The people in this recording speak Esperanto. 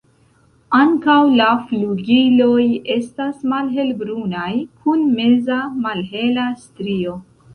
Ankaŭ la flugiloj estas malhelbrunaj kun meza malhela strio.